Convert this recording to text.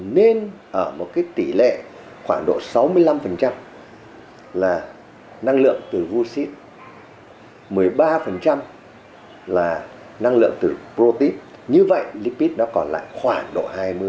nên ở tỉ lệ sáu mươi năm là năng lượng từ wuxi một mươi ba là năng lượng từ protein như vậy lipid còn lại khoảng độ hai mươi